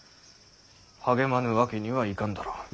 励まぬわけにはいかぬだろう。